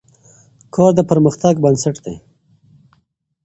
کار د پرمختګ بنسټ دی.